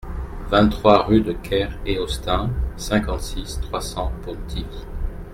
vingt-trois rue de Ker-Eostin, cinquante-six, trois cents, Pontivy